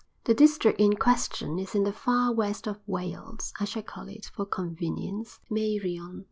The district in question is in the far west of Wales; I shall call it, for convenience, Meirion.